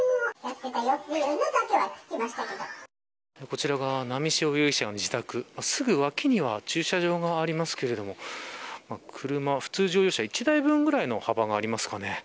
こちらが波汐容疑者の自宅すぐ脇には駐車場がありますけれども普通乗用車１台分くらいの幅がありますかね。